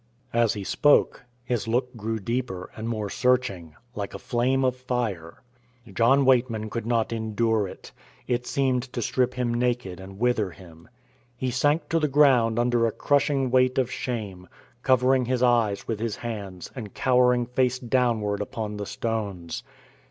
As he spoke, his look grew deeper and more searching, like a flame of fire. John Weightman could not endure it. It seemed to strip him naked and wither him. He sank to the ground under a crushing weight of shame, covering his eyes with his hands and cowering face downward upon the stones.